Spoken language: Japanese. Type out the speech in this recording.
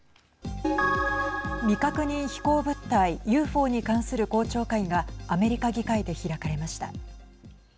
未確認飛行物体ＵＦＯに関する公聴会がアメリカ議会で開かれました。